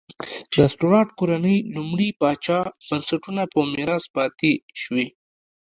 د سټورات کورنۍ لومړي پاچا بنسټونه په میراث پاتې شوې.